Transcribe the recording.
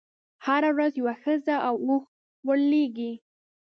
هره ورځ یوه ښځه او اوښ ورلېږي.